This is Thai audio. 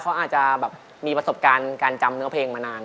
เขาอาจจะแบบมีประสบการณ์การจำเนื้อเพลงมานาน